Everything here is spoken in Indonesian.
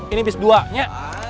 ini bis dua ya